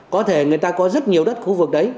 có thể người ta có rất nhiều đất khu vực đấy